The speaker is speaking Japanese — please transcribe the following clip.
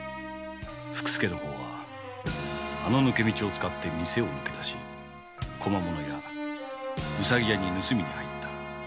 福助の方はあの抜け道を使って店を抜け出し小間物屋・うさぎやに盗みに入った。